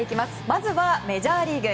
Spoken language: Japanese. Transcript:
まずはメジャーリーグ。